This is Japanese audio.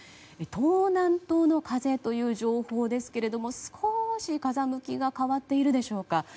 東南東の風という情報ですけれども少し風向きが変わっているでしょうか。